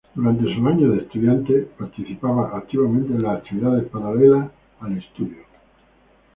Durante sus años de estudiante participaba activamente de las actividades paralelas al estudio.